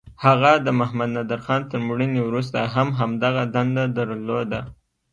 هغه د محمد نادرخان تر مړینې وروسته هم همدغه دنده درلوده.